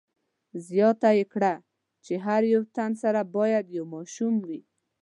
زیاته یې کړه چې هر یو تن سره باید یو ماشوم وي.